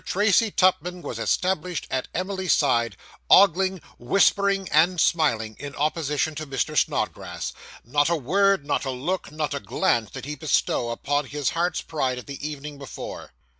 Tracy Tupman was established at Emily's side, ogling, whispering, and smiling, in opposition to Mr. Snodgrass. Not a word, not a look, not a glance, did he bestow upon his heart's pride of the evening before.